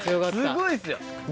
すごいっすよ！